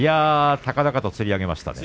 高々とつりましたね。